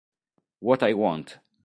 What I Want